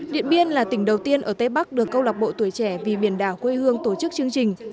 điện biên là tỉnh đầu tiên ở tây bắc được câu lạc bộ tuổi trẻ vì biển đảo quê hương tổ chức chương trình